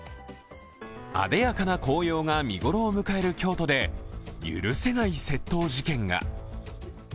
艶やかな紅葉が見頃を迎える京都で許せない窃盗事件が。